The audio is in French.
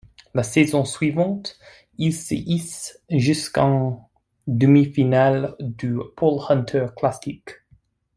La saison suivante, il se hisse jusqu'en demi-finale du Paul Hunter Classic.